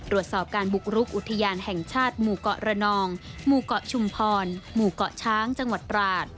รวดสอบการบุกลุกอุทยานแห่งชาติหมู่กรนองหมู่กชุมพรหมู่กช้างจังหวัดราช